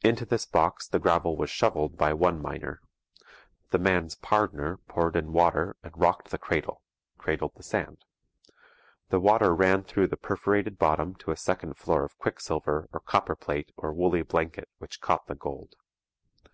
Into this box the gravel was shovelled by one miner. The man's 'pardner' poured in water and rocked the cradle cradled the sand. The water ran through the perforated bottom to a second floor of quicksilver or copperplate or woolly blanket which caught the gold.